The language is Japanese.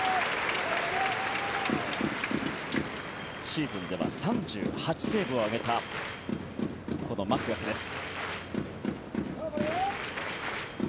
シーズンでは３８セーブを挙げたこのマクガフです。